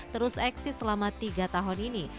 terus eksis selama tiga tahun ini